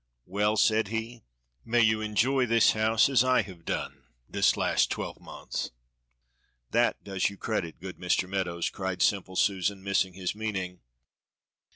"Well," said he, "may you enjoy this house as I have done this last twelvemonth!" "That does you credit, good Mr. Meadows," cried simple Susan, missing his meaning.